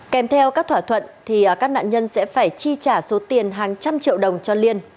kèm theo các thỏa thuận thì các nạn nhân sẽ phải chi trả số tiền hàng trăm triệu đồng cho liên